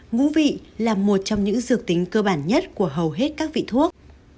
ngũ vị là một trong những dược tính cơ bản nhất của hầu hết các vị thuốc